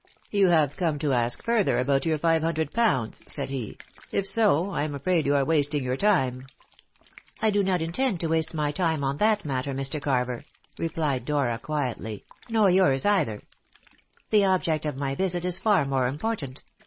"You have come to ask further about your five hundred pounds," said he; "if so, I am afraid you are wasting your time." "I do not intend to waste my time on that matter, Mr. Carver," replied Dora quietly, "nor yours either. The object of my visit is far more important.